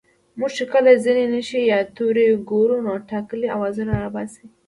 موږ چې کله ځينې نښې يا توري گورو نو ټاکلي آوازونه راوباسو